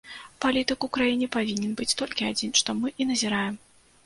Палітык у краіне павінен быць толькі адзін, што мы і назіраем.